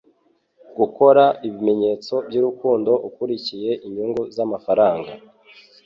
gukora ibimenyetso by'urukundo ukurikiye inyungu z'amafaranga